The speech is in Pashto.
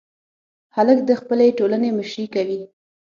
هلک د خپلې ټولنې مشري کوي.